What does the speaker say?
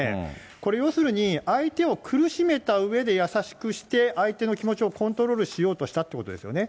これ、要するに、相手を苦しめたうえで優しくして、相手の気持ちをコントロールしようとしたということですね。